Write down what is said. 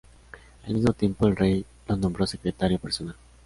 Al mismo tiempo el rey lo nombró Secretario personal.